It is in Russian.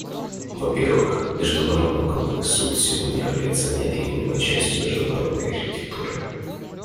Во — первых, Международный уголовный суд сегодня является неотъемлемой частью международной архитектуры.